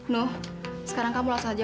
gue tunggu lo ya ya ya